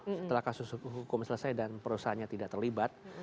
setelah kasus hukum selesai dan perusahaannya tidak terlibat